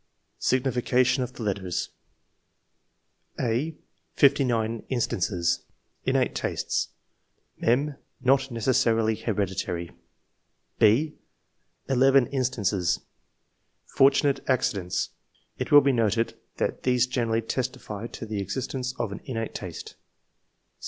SIGNIFICATION OF THE LETTERS. Number, of Instances. a, 59 Innate tastes {mem : not necessarily hereditary). b, 11 Fortunate accidents. It will be noticed that these generally testify to the existence of an innate taste.